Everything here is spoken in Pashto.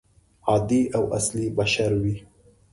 عادي او اصلي بشر وي.